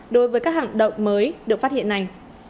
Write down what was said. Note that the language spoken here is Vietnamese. đối với các hạng động mới được phát hiện này